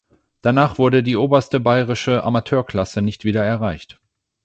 Danach wurde die oberste bayerische Amateurklasse nicht wieder erreicht.